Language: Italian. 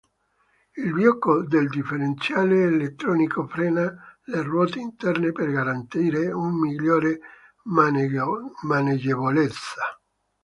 Il blocco del differenziale elettronico frena le ruote interne per garantire una migliore maneggevolezza.